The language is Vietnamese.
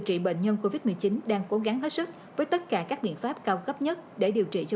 trị bệnh nhân covid một mươi chín đang cố gắng hết sức với tất cả các biện pháp cao cấp nhất để điều trị cho